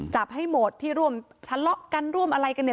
จับให้หมดที่ร่วมทะเลาะกันร่วมอะไรกันเนี่ย